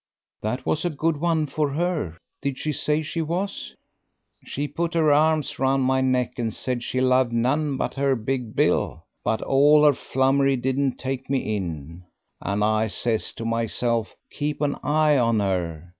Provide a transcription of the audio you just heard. '" "That was a good one for her. Did she say she was?" "She put her arms round my neck and said she loved none but her big Bill. But all her flummery didn't take me in. And I says to myself, 'Keep an eye on her.'